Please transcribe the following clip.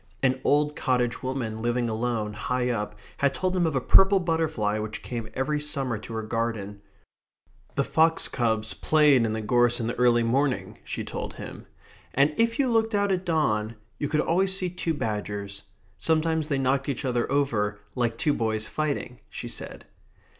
An old cottage woman living alone, high up, had told him of a purple butterfly which came every summer to her garden. The fox cubs played in the gorse in the early morning, she told him. And if you looked out at dawn you could always see two badgers. Sometimes they knocked each other over like two boys fighting, she said.